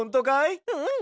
うん！